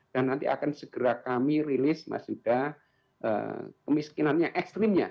dan nanti akan segera kami rilis mas yuda kemiskinan ekstrimnya